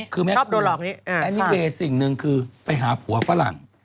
คือแม็กคลัวอันนี้เป็นสิ่งหนึ่งคือไปหาผัวฝรั่ง